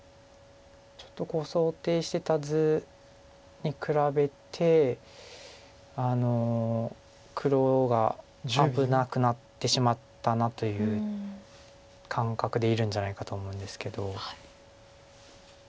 ちょっと想定してた図に比べて黒が危なくなってしまったなという感覚でいるんじゃないかと思うんですけど。